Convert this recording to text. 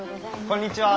こんにちは。